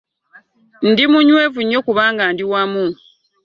Ndi munywevu nnyo kubanga ndi wamu.